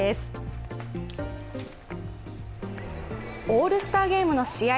オールスターゲームの試合